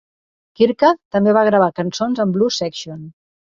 Kirka també va gravar cançons amb Blues Section.